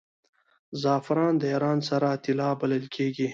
زعفران د ایران سره طلا بلل کیږي.